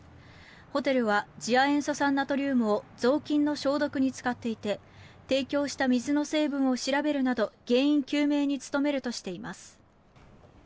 ホテルは次亜塩素酸ナトリウムを雑巾の消毒に使っていて提供した水の成分を調べるなど原因究明に努めるとしています。